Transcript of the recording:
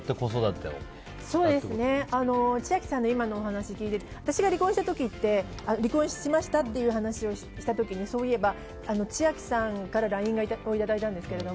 千秋さんの今のお話聞いてて私が離婚した時って離婚をしましたという話をしたときにそういえば千秋さんからＬＩＮＥをいただいたんですけど。